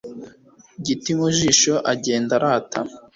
Giti mu jisho agenda arata